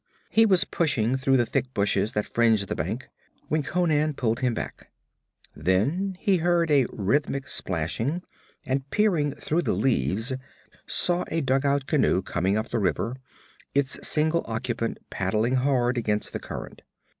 He was pushing through the thick bushes that fringed the bank when Conan pulled him back. Then he heard a rhythmic splashing, and peering through the leaves, saw a dugout canoe coming up the river, its single occupant paddling hard against the current.